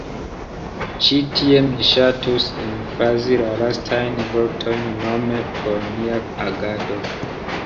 Ĉi tie mi ŝatus emfazi la lastajn vortojn, nome “por nia agado”.